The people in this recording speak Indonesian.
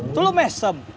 itu lu mesem